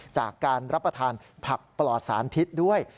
จากการรับประทานผักปลอดสารพิษด้วย